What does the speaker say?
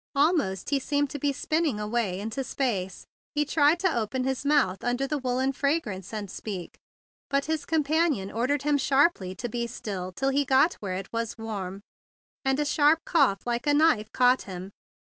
Almost he seemed to be spinning away into space. He tried to open his mouth under the woollen fra¬ grance and speak; but his companion ordered him sharply to be still till he got where it was warm, and a sharp cough like a knife caught him.